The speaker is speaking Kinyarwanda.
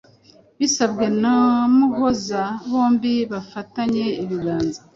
Bisabwe na Umuhoza, bombi bafatanye ibiganza.